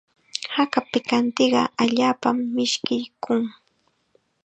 Haka pikantiqa allaapam mishkiykun.